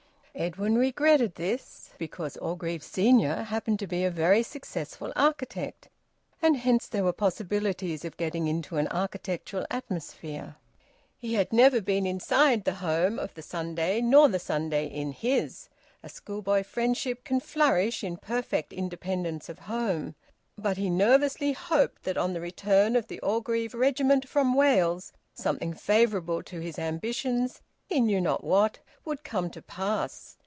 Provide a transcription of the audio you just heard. Edwin regretted this, because Orgreave senior happened to be a very successful architect, and hence there were possibilities of getting into an architectural atmosphere. He had never been inside the home of the Sunday, nor the Sunday in his a schoolboy friendship can flourish in perfect independence of home but he nervously hoped that on the return of the Orgreave regiment from Wales, something favourable to his ambitions he knew not what would come to pass.